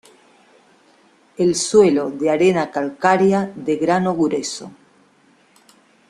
El suelo de arena calcárea de grano grueso.